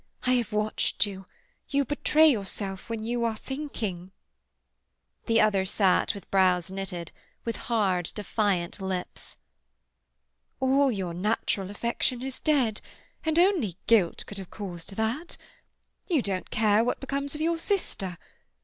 I have watched you. You betray yourself when you are thinking." The other sat with brows knitted, with hard, defiant lips. "All your natural affection is dead, and only guilt could have caused that. You don't care what becomes of your sister.